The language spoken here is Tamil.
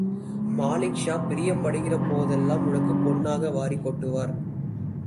மாலிக்ஷா பிரியப்படுகிற போதெல்லாம் உனக்குப் பொன்னாக வாரிக் கொட்டுவார்.